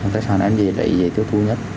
tài sản em dễ lấy dễ tiêu thú nhất